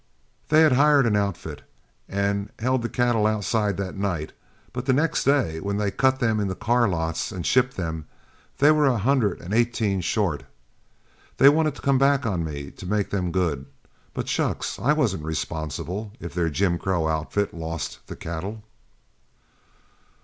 They had hired an outfit, and held the cattle outside that night, but the next day, when they cut them into car lots and shipped them, they were a hundred and eighteen short. They wanted to come back on me to make them good, but, shucks! I wasn't responsible if their Jim Crow outfit lost the cattle."